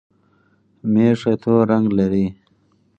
مېخه تور رنګ لري